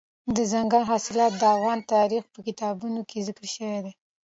دځنګل حاصلات د افغان تاریخ په کتابونو کې ذکر شوی دي.